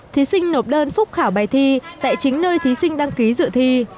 thí sinh nộp đơn phúc khảo bài thi tại chính nơi thí sinh đăng ký dự thi